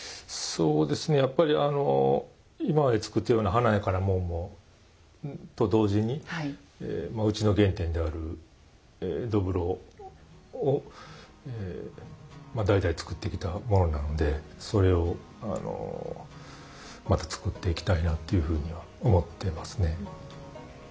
そうですねやっぱり今まで作ったような華やかなもんと同時にうちの原点である土風炉を代々作ってきたものなのでそれをまた作っていきたいなっていうふうには思ってますね。